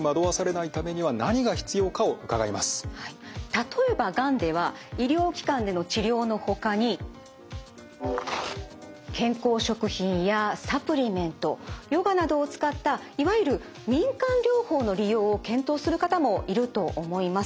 例えばがんでは医療機関での治療のほかに健康食品やサプリメントヨガなどを使ったいわゆる民間療法の利用を検討する方もいると思います。